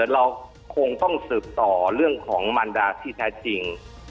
เราคงต้องสืบต่อเรื่องของมันดาที่แท้จริง